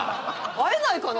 会えないかな？